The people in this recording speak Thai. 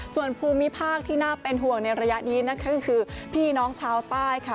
ส่วนภูมิภาคที่น่าเป็นห่วงในระยะนี้นะคะก็คือพี่น้องชาวใต้ค่ะ